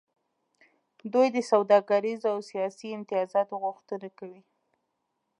دوی د سوداګریزو او سیاسي امتیازاتو غوښتنه کوي